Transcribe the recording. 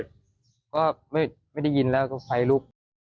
ก็ไม่ไม่ได้ยินแล้วไปลุก